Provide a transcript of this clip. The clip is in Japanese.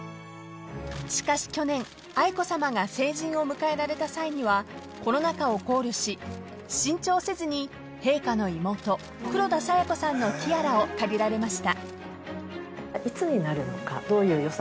［しかし去年愛子さまが成人を迎えられた際にはコロナ禍を考慮し新調せずに陛下の妹］［を借りられました］